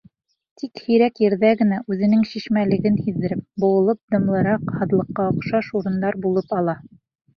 Тик һирәк ерҙә генә үҙенең шишмәлеген һиҙҙереп, быуылып, дымлыраҡ, һаҙлыҡҡа оҡшаш урындар булып ала.